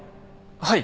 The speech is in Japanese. はい。